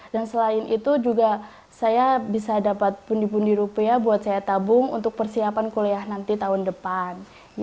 dan selain itu juga saya bisa dapat bundi bundi rupiah buat saya tabung untuk persiapan kuliah nanti tahun depan